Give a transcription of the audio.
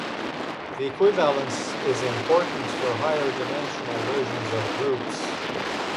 This equivalence is important for higher-dimensional versions of groups.